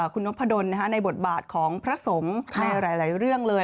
คุณนพดลในบทบาทของพระสงฆ์ในหลายเรื่องเลย